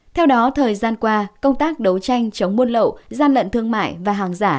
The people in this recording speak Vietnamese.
theo đó thời gian qua công tác đấu tranh chống buôn lậu gian lận thương mại và hàng giả